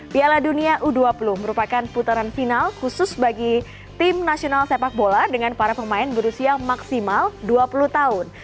piala dunia u dua puluh merupakan putaran final khusus bagi tim nasional sepak bola dengan para pemain berusia maksimal dua puluh tahun